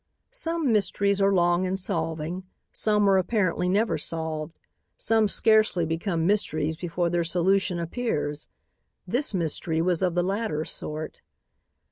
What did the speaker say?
Some mysteries are long in solving. Some are apparently never solved. Some scarcely become mysteries before their solution appears. This mystery was of the latter sort.